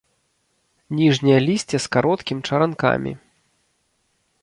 Ніжняе лісце з кароткім чаранкамі.